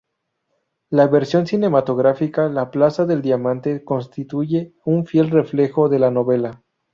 La versión cinematográfica "La plaza del Diamante" constituye un fiel reflejo de la novela.